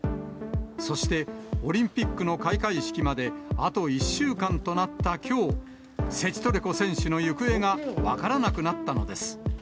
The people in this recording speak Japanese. そして、オリンピックの開会式まであと１週間となったきょう、セチトレコ選手の行方が分からなくなったのです。